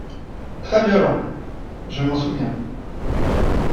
Très violent… je m’en souviens.